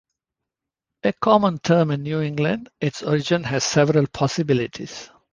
A common term in New England, its origin has several possibilities.